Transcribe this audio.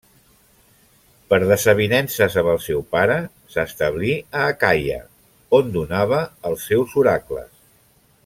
Per desavinences amb el seu pare, s'establí a Acaia, on donava els seus oracles.